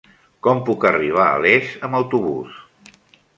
Com puc arribar a Les amb autobús?